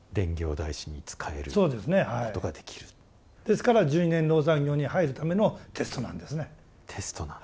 ですから十二年籠山行に入るためのテストなんですね。